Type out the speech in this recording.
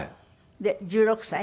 で１６歳？